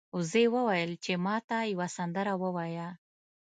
وزې وویل چې ما ته یوه سندره ووایه.